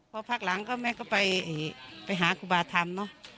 พอพักหลังก็แม่ก็ไปหาครูบาธรรมเนอะ